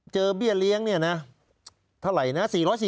เจอเบียดเรียงเนี่ยน่ะเท่าไหร่นะ๔๔๐